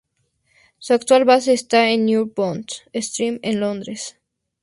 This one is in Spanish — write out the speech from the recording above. Su actual base está en New Bond Street en Londres.